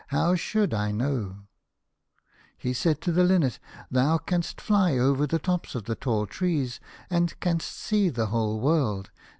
How should I know ?" He said to the Linnet, "Thou canst fly over the tops of the tall trees, and canst see the whole world.